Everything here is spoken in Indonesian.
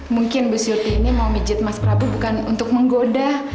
mungkin bu sirti ini mau mijit mas prabu bukan untuk menggoda